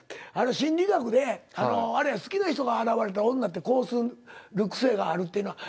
心理学であのあれや好きな人が現れたら女ってこうする癖があるっていうのは。